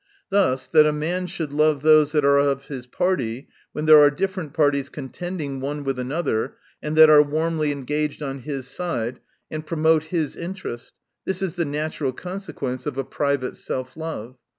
Thus that a man should love those that are of his party, when there are different parties contending one with another ; and that are warmly engaged on his side, and promote his interest — this is the natural consequence of a private self love.